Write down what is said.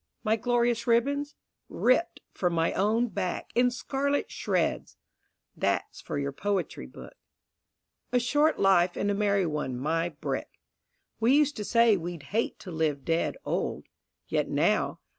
My glorious ribbons? Ripped from my own back In scarlet shreds. (That's for your poetry book.) A short life and a merry one, my brick! We used to say we'd hate to live dead old, Yet now ..